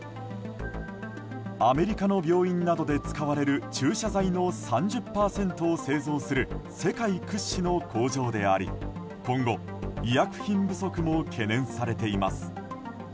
アメリカの病院などで使われる注射剤の３０％を製造する世界屈指の工場であり今後、医薬品不足も懸念されています。